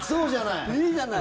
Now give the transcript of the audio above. いいじゃない。